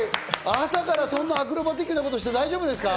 朝からそんなアクロバティックなことして大丈夫ですか？